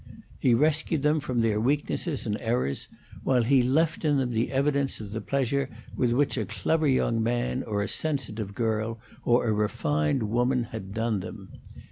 He rescued them from their weaknesses and errors, while he left in them the evidence of the pleasure with which a clever young man, or a sensitive girl, or a refined woman had done them.